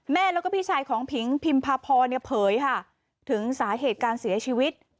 แม่แล้วก็พี่ชายของผิงพิมพาพรเนี่ยเผยค่ะถึงสาเหตุการเสียชีวิต